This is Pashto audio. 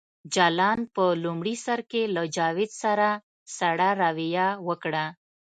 جلان په لومړي سر کې له جاوید سره سړه رویه وکړه